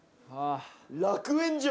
楽園じゃん！